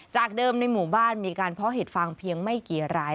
จากเดิมในหมู่บ้านมีการเพาะเห็ดฟางเพียงไม่กี่ราย